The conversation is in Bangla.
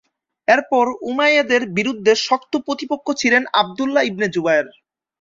এরপর উমাইয়াদের বিরুদ্ধে শক্ত প্রতিপক্ষ ছিলেন আবদুল্লাহ ইবনে জুবায়ের।